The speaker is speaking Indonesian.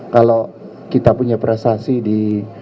kalau kita punya prestasi di